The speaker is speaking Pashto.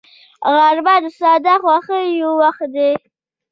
غرمه د ساده خوښیو وخت دی